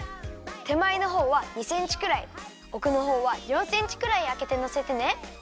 てまえのほうは２センチくらいおくのほうは４センチくらいあけてのせてね。